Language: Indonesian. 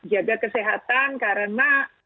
jaga kesehatan karena